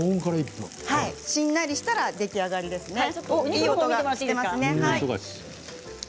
しんなりしたら出来上がりです。